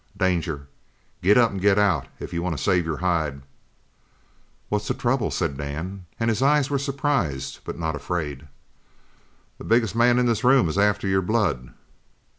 "Danger! Get up and get out if you want to save your hide!" "What's the trouble?" said Dan, and his eyes were surprised, but not afraid. "The biggest man in this room is after your blood."